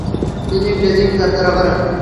তিনি বেজিং যাত্রা করেন।